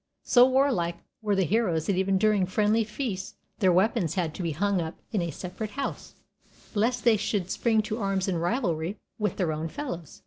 So warlike were the heroes that even during friendly feasts their weapons had to be hung up in a separate house, lest they should spring to arms in rivalry with their own fellows.